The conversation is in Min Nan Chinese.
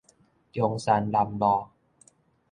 中山南路